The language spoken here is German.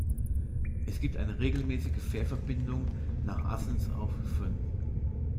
Es gibt eine regelmäßige Fährverbindung nach Assens auf Fyn.